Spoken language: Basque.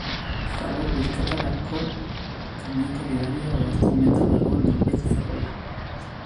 Zabor bilketarako kamioiko gidaria ohartu omen da barruan norbait zegoela.